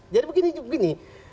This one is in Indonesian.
jadi begini begini